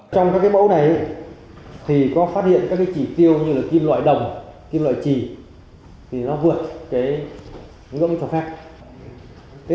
trong các mẫu này thì có phát hiện các chỉ tiêu như là kim loại đồng kim loại trì thì nó vượt cái cho khác